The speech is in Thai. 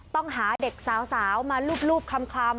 ต้องหาเด็กสาวมาลูบคลำ